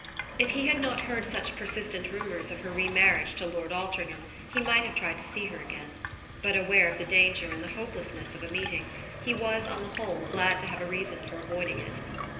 If he had not heard such persistent rumours of her re marriage to Lord Altringham he might have tried to see her again; but, aware of the danger and the hopelessness of a meeting, he was, on the whole, glad to have a reason for avoiding it.